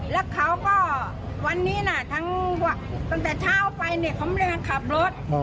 แล้วเขาก็วันนี้นะทั้งตั้งแต่เช้าไปเนี่ยเขาไม่ได้ขับรถ